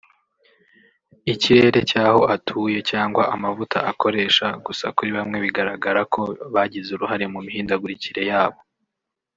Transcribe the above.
ikirere cyaho atuye cyangwa amavuta akoresha gusa kuri bamwe bigaragara ko bagize uruhare mu mihindagurikire yabo